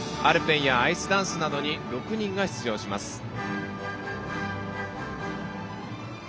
アルペンやアイスダンスなどに６人が出場します。